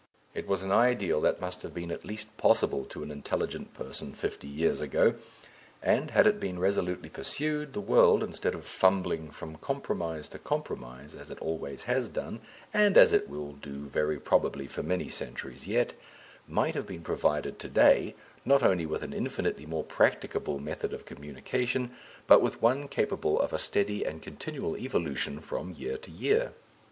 It was an ideal that must have been at least possible to an intelligent person fifty years ago, and, had it been resolutely pursued, the world, instead of fumbling from compromise to compromise as it always has done and as it will do very probably for many centuries yet, might have been provided to day, not only with an infinitely more practicable method of communication, but with one capable of a steady and continual evolution from year to year.